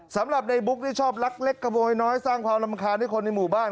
สำหรับในบุ๊กนี่ชอบลักเล็กขโมยน้อยสร้างความรำคาญให้คนในหมู่บ้าน